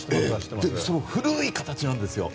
古い形なんですよ。